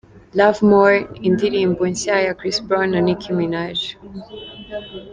Love More, Indirimbo nshya ya Chris Brown na Nicki Minaj:.